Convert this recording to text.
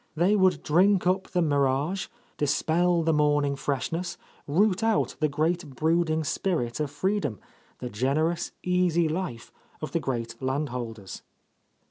They would drink up the mir age, dispel the morning freshness, root out the great brooding spirit of freedom, the generous, easy life of the great land holders.